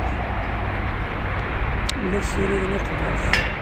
Ur la ssiriden iqbac.